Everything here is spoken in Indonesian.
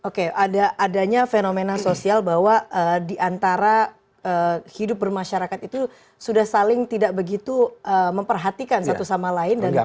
oke adanya fenomena sosial bahwa diantara hidup bermasyarakat itu sudah saling tidak begitu memperhatikan satu sama lain